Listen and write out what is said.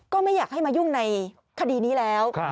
ก็ไม่อยากให้มายุ่งในคดีนี้แล้ว